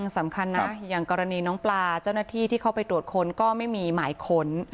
สำคัญนะอย่างกรณีน้องปลาเจ้าหน้าที่ที่เข้าไปตรวจค้นก็ไม่มีหมายค้น